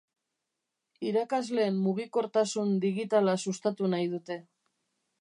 Irakasleen mugikortasun digitala sustatu nahi dute.